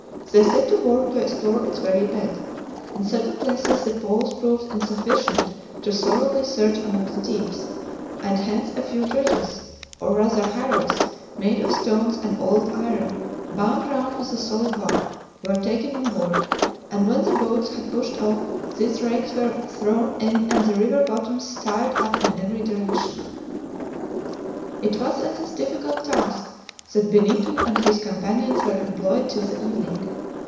They set to work to explore its very bed. In certain places the poles proved insufficient to thoroughly search among the deeps, and hence a few dredges or rather harrows, made of stones and old iron, bound round with a solid bar were taken on board, and when the boats had pushed off these rakes were thrown in and the river bottom stirred up in every direction. It was in this difficult task that Benito and his companions were employed till the evening.